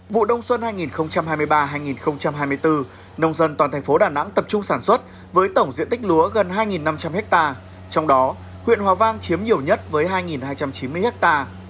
vụ đông xuân hai nghìn hai mươi ba hai nghìn hai mươi bốn nông dân toàn thành phố đà nẵng tập trung sản xuất với tổng diện tích lúa gần hai năm trăm linh ha trong đó huyện hòa vang chiếm nhiều nhất với hai hai trăm chín mươi ha